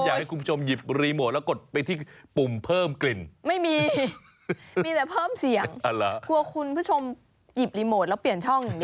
กลัวคุณผู้ชมหยิบรีโมทแล้วเปลี่ยนช่องอย่างเดียวเลย